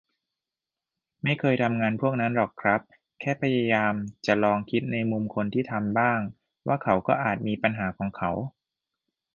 ไม่เคยทำงานพวกนั้นหรอกครับ แค่พยายามจะลองคิดในมุมคนที่ทำบ้าง ว่าเขาก็อาจมี 'ปัญหา' ของเขา